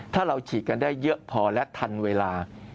ถ้าเราฉีดกันได้เยอะพอและทันเวลา